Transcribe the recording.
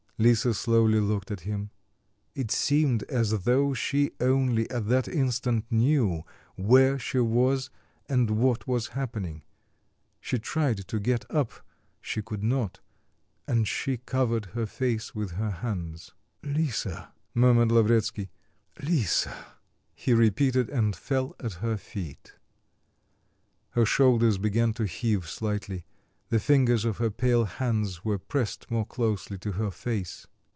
Lisa slowly looked at him. It seemed as though she only at that instant knew where she was and what was happening. She tried to get up, she could not, and she covered her face with her hands. "Lisa," murmured Lavretsky. "Lisa," he repeated, and fell at her feet. Her shoulders began to heave slightly; the fingers of her pale hands were pressed more closely to her face.